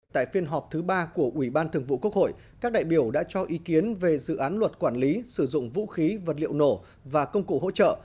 tại phiên họp thứ ba của ủy ban thường vụ quốc hội các đại biểu đã cho ý kiến về dự án luật quản lý sử dụng vũ khí vật liệu nổ và công cụ hỗ trợ